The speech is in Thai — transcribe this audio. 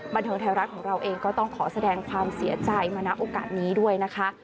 บันเทิงไทยรัฐของเราเองก็ต้องขอแสดงความเสียใจมาณโอกาสนี้ด้วยนะคะ